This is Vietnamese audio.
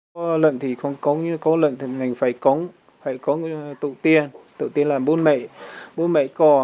có lợn thì không cống nhưng có lợn thì mình phải cống phải cống tổ tiên tổ tiên là bún mẩy